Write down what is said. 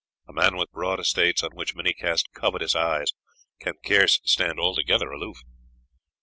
A man with broad estates, on which many cast covetous eyes, can scarce stand altogether aloof.